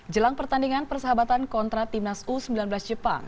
jelang pertandingan persahabatan kontra timnas u sembilan belas jepang